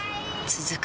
続く